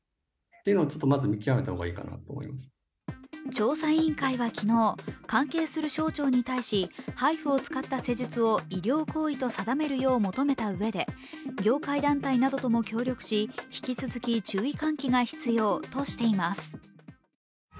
調査委員会は昨日関係する省庁に対し、ＨＩＦＵを使った施術を医療行為と定めるよう求めたうえで業界団体などとも協力し、引き続き注意喚起が必要などとしています。